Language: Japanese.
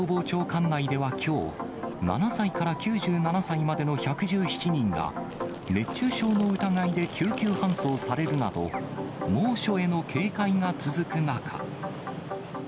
管内ではきょう、７歳から９７歳までの１１７人が、熱中症の疑いで救急搬送されるなど、猛暑への警戒が続く中。